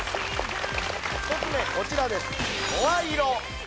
一つめこちらです